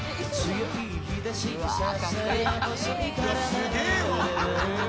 すげえわ。